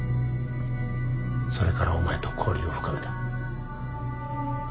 それからお前と交流を深めた。